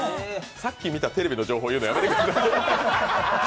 さっき見たテレビの情報、言うのやめてください。